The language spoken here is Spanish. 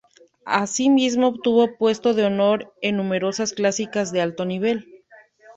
Asimismo, obtuvo puestos de honor en numerosas clásicas de alto nivel.